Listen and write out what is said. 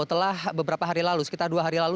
setelah beberapa hari lalu sekitar dua hari lalu